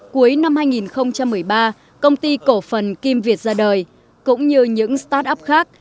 cuối năm hai nghìn một mươi ba công ty cổ phần kim việt ra đời cũng như những start up khác